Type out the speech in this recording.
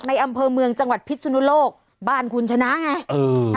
ในอำเภอเมืองจังหวัดพิษฎุโนโลกบ้านคุณชนะไง